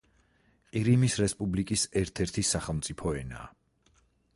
ყირიმის რესპუბლიკის ერთ-ერთი სახელმწიფო ენაა.